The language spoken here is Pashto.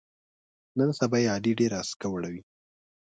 نن سبا یې علي ډېره اسکه وړوي.